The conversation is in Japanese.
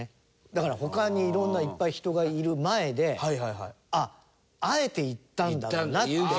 だから他にいろんないっぱい人がいる前であっあえて言ったんだなって。